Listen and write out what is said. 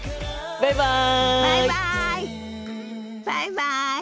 バイバイ。